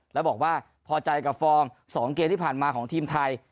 แล้วบอกว่าพอใจกับฟอร์ม๒เกมที่ผ่านมาของทีมไทย